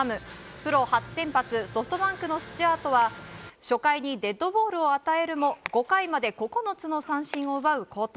プロ初先発ソフトバンクのスチュワートは初回にデッドボールを与えるも５回まで９つの三振を奪う好投。